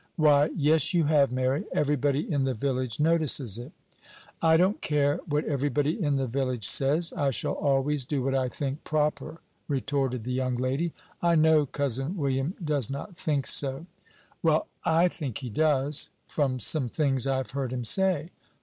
"Why, yes, you have, Mary; every body in the village notices it." "I don't care what every body in the village says. I shall always do what I think proper," retorted the young lady; "I know Cousin William does not think so." "Well, I think he does, from some things I have heard him say."